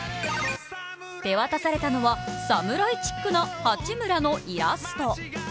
手渡されたのは侍チックな、八村のイラスト。